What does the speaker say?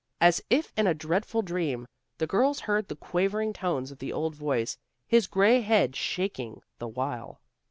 As if in a dreadful dream, the girls heard the quavering tones of the old voice, his gray head shaking the while.